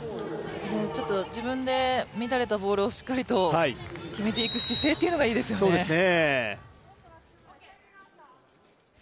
自分で乱れたボールをしっかりと決めていく姿勢がいいですよね。